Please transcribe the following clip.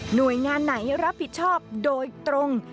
หน่วยงานไหนรับผิดชอบโดยตรง